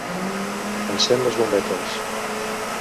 Encén les bombetes.